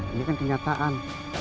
ini kan kenyataan